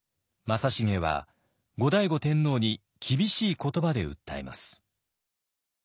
正成は後醍醐天皇に厳しい言葉で訴えます。